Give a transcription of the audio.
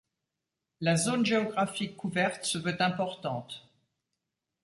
La zone géographique couverte se veut importante.